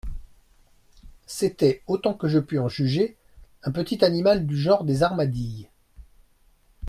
C'était, autant que je pus en juger, un petit animal du genre des armadilles.